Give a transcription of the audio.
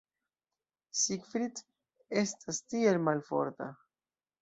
Siegfried estas tiel malforta.